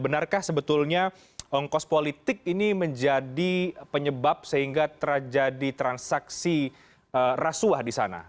benarkah sebetulnya ongkos politik ini menjadi penyebab sehingga terjadi transaksi rasuah di sana